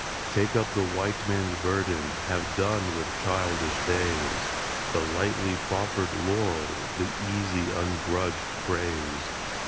Take up the White Man's burden Have done with childish days The lightly proffered laurel The easy, ungrudged praise.